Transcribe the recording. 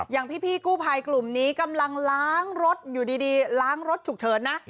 อย่างพี่กู้ภัยกลุ่มนี้กำลังล้างรถอยู่ดีล้างรถฉุกเฉินนะ